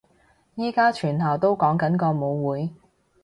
而家全校都講緊個舞會